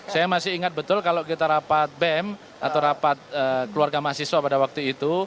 saya masih ingat betul kalau kita rapat bem atau rapat keluarga mahasiswa pada waktu itu